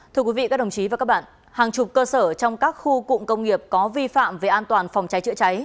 thưa quý vị các đồng chí và các bạn hàng chục cơ sở trong các khu cụm công nghiệp có vi phạm về an toàn phòng cháy chữa cháy